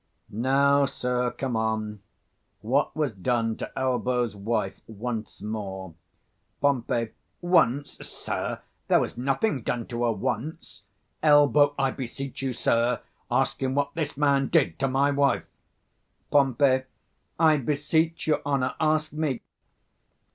_ Now, sir, come on: what was done to Elbow's wife, once more? Pom. Once, sir? there was nothing done to her once. 135 Elb. I beseech you, sir, ask him what this man did to my wife. Pom. I beseech your honour, ask me.